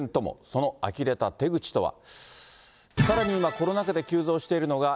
そのあきれた手口とは。